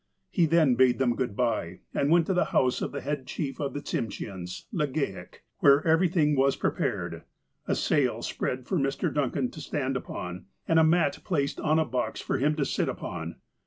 He then bade them good bye, and went to the house of the head chief of the Tsimsheans, Legale, where every thing was prepared, a sail spread for Mr. Duncan to stand upon, and a mat placed on a box for him to sit upon.